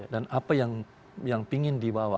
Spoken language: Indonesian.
dan apa yang ingin dibawa